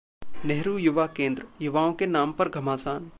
नेहरू युवा केंद्र: युवाओं के नाम पर घमासान